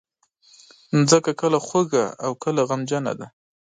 مځکه کله خوږه او کله غمجنه ده.